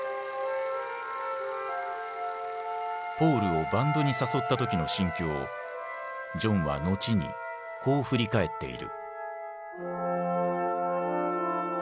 ポールをバンドに誘った時の心境をジョンは後にこう振り返っている。